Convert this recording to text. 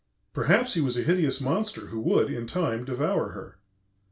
Perhaps he was a hideous monster who would in time devour her.